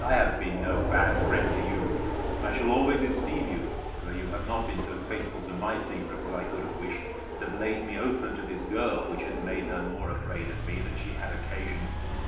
I have been no bad friend to you; and I shall always esteem you, though you have not been so faithful to my secrets as I could have wished, and have laid me open to this girl, which has made her more afraid of me than she had occasion.